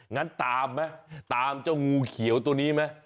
งั้นตามมั้ยตามเจ้างูเขียวตัวนี้มั้ย